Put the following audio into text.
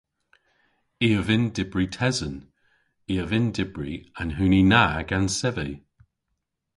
I a vynn dybri tesen. I a vynn dybri an huni na gans sevi.